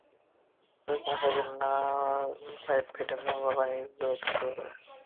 কয়েক মাস আগে নালার পাইপ ফেটে নোংরা পানি বেরোতে শুরু করে।